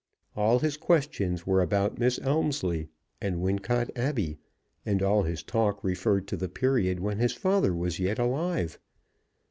All his questions were about Miss Elmslie and Wincot Abbey, and all his talk referred to the period when his father was yet alive.